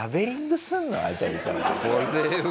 これは。